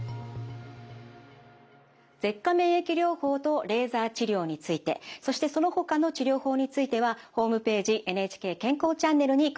舌下免疫療法とレーザー治療についてそしてそのほかの治療法についてはホームページ「ＮＨＫ健康チャンネル」に詳しく掲載されています。